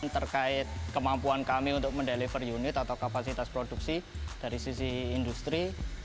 terkait kemampuan kami untuk mendeliver unit atau kapasitas produksi dari sisi industri